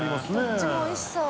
どっちもおいしそう。